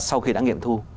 sau khi đã nghiệm thu